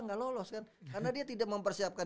gak lolos kan karena dia tidak mempersiapkan